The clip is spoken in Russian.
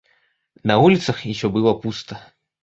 На улицах еще было пусто.